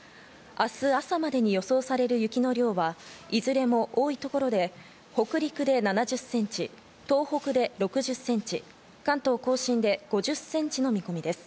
明日朝までに予想される雪の量はいずれも多い所で北陸で７０ｃｍ、東北で６０ｃｍ、関東甲信で５０ｃｍの見込みです。